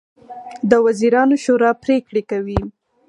د وزیرانو شورا پریکړې کوي